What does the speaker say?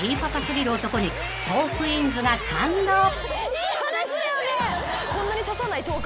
いい話だよね。